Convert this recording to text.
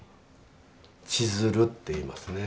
千鶴っていいますね。